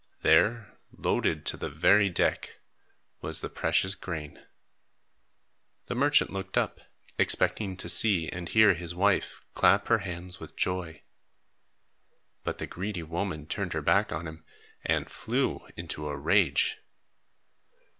There, loaded to the very deck, was the precious grain. The merchant looked up, expecting to see and hear his wife clap her hands with joy. But the greedy woman turned her back on him, and flew into a rage.